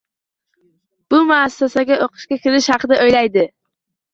Bu muassasaga oʻqishga kirish haqida oʻylaydi